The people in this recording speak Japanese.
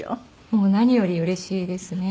もう何よりうれしいですね。